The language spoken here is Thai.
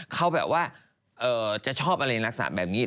เขาแบบว่าจะชอบอะไรลักษณะแบบนี้